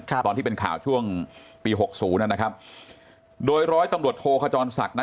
พาพลอยที่เป็นข่าวช่วงปี๖๐นะครับโดยร้อยตำรวจโทคจรศักดิ์นะ